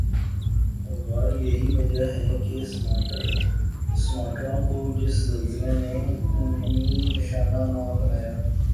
ور یہی وجہ ہی کہ سماٹرا کو جس زلزلی نی نشانہ بنایا